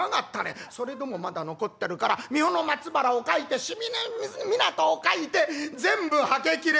「それでもまだ残ってるから三保の松原を描いて清水港を描いて全部はけ切れ」。